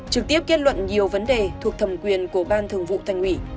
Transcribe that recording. trực tiếp kết luận nhiều vấn đề thuộc thẩm quyền của ban thường vụ thành ủy